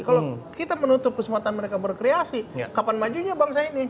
kalau kita menutup kesempatan mereka berkreasi kapan majunya bangsa ini